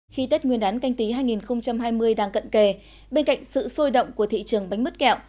khi tết nguyên đán canh tí hai nghìn hai mươi đang cận kề bên cạnh sự sôi động của thị trường bánh mứt kẹo